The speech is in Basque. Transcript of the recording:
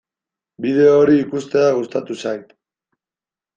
Bideo hori ikustea gustatu zait.